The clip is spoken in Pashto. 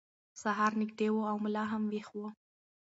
سهار نږدې و او ملا هم ویښ و.